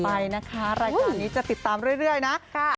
รายการนี้จะติดตามเรื่อยนะ